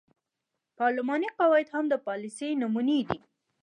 پارلماني قواعد هم د پالیسۍ نمونې دي.